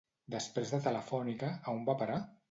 Després de Telefònica, a on va parar?